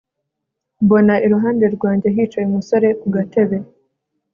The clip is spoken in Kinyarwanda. mbona iruhande rwanjye hicaye umusore ku gatebe